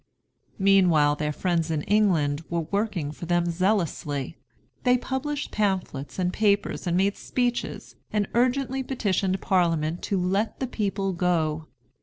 Meanwhile their friends in England were working for them zealously. They published pamphlets and papers and made speeches, and urgently petitioned Parliament to "let the people go."